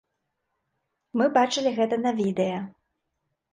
Мы бачылі гэта на відэа.